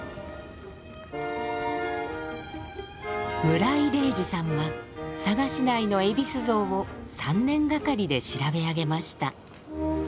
村井禮仁さんは佐賀市内のえびす像を３年がかりで調べ上げました。